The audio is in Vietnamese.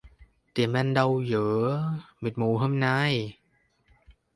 Tìm anh đâu giữa... mịt mù hôm nay!